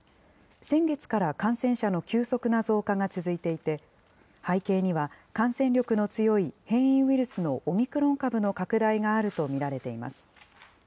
先月から感染者の急速な増加が続いていて、背景には、感染力の強い変異ウイルスのオミクロン株の拡大があると見られています。